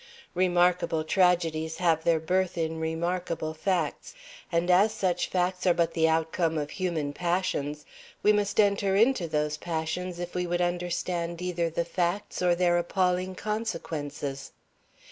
Remarkable tragedies have their birth in remarkable facts, and as such facts are but the outcome of human passions, we must enter into those passions if we would understand either the facts or their appalling consequences.